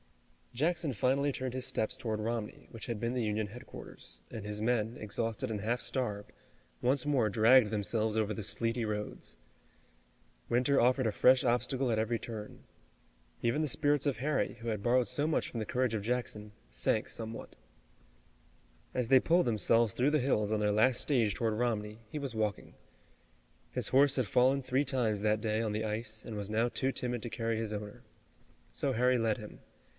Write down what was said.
Jackson finally turned his steps toward Romney, which had been the Union headquarters, and his men, exhausted and half starved, once more dragged themselves over the sleety roads. Winter offered a fresh obstacle at every turn. Even the spirits of Harry, who had borrowed so much from the courage of Jackson, sank somewhat. As they pulled themselves through the hills on their last stage toward Romney, he was walking. His horse had fallen three times that day on the ice, and was now too timid to carry his owner. So Harry led him.